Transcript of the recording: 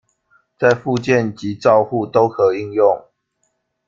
在復健及照護都可應用